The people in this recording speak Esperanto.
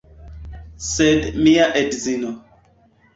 Sed mia edzino